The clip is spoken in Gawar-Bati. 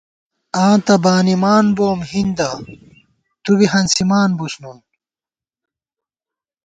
آں تہ بانِمان بوم ہِندہ، تُو بی ہنسِمان بوس نُون